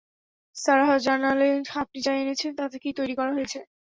Sarah জানালেন, আপনি যা এনেছেন তা থেকেই তৈরি করা হয়েছে।